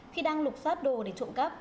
khi đang lục xắt đồ để trộm cắp